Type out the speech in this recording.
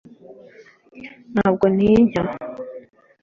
Ntabwo ntinya